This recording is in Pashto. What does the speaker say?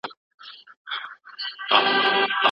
د رحمن بابا شعر ولي تر اوسه ژوندی دی؟